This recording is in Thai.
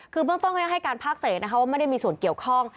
คือเบื้องต้นเขายังให้การภาคเศษนะคะว่าไม่ได้มีส่วนเกี่ยวข้อง